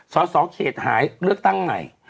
สสเขตหายเลือกตั้งใหม่